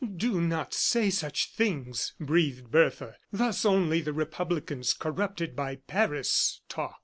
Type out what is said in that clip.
"Do not say such things," breathed Bertha, "thus only the republicans, corrupted by Paris, talk.